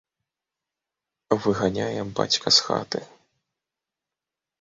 Выганяе бацька з хаты.